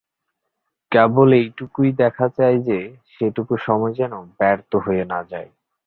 কেবল এইটুকুই দেখা চাই যে সেটুকু সময় যেন ব্যর্থ হয়ে না যায়।